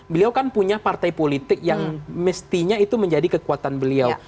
beliau kan punya partai politik yang mestinya itu menjadi kekuatan beliau